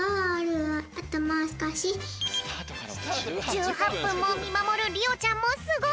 １８ぷんもみまもるりおちゃんもすごい！